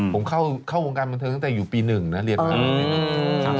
ผมเข้าวงการบันเทิงตั้งแต่อยู่ปี๑นะเรียนมา